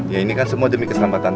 ya ini kan semua demi keselamatan